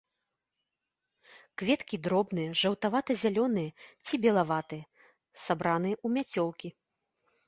Кветкі дробныя, жаўтавата-зялёныя ці белаватыя, сабраныя ў мяцёлкі.